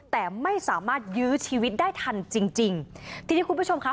แต่ไม่สามารถยื้อชีวิตได้ทันจริงจริงทีนี้คุณผู้ชมค่ะ